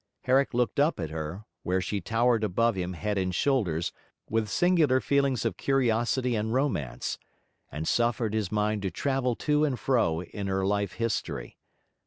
Herrick looked up at her, where she towered above him head and shoulders, with singular feelings of curiosity and romance, and suffered his mind to travel to and fro in her life history.